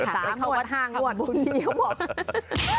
สามหวัดห้างหวัดพรุ่งนี้เขาบอก